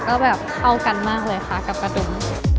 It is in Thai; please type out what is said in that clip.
ก็แบบเข้ากันมากเลยค่ะกับกระดุม